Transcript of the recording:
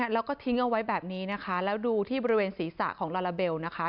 แล้วก็ทิ้งเอาไว้แบบนี้นะคะแล้วดูที่บริเวณศีรษะของลาลาเบลนะคะ